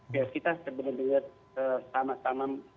biar kita seberdua sama sama